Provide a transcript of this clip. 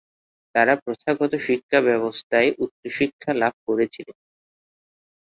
তারা প্রথাগত শিক্ষাব্যবস্থায় উচ্চশিক্ষা লাভ করেছিলেন।